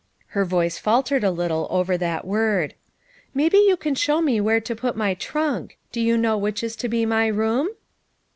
her voice faltered a little over that word ;" maybe you can show me where to put my trunk; do you know which is to be my room